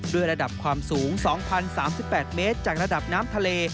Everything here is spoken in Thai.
ระดับความสูง๒๐๓๘เมตรจากระดับน้ำทะเล